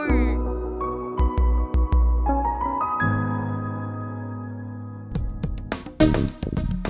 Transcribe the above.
ingin mengikat p interest anda emperor